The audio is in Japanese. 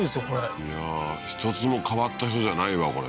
これいや一つも変わった人じゃないわ